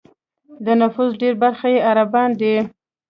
د نفوس ډېری برخه یې عربان دي.